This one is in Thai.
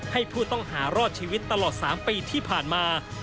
ให้ผู้ต้องหารอดชีวิตตลอด๓ปีที่ผ่านมา